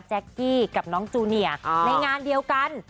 กี้กับน้องจูเนียในงานเดียวกัน